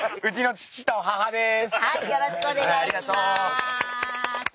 よろしくお願いします。